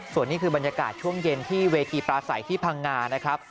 ส่วนนี้คือบรรยากาศช่วงเย็นที่เวทีปลาใสที่พังงานะครับ